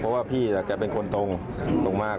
เพราะว่าพี่แกเป็นคนตรงตรงมาก